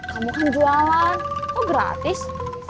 kamu kan jualan oh gratis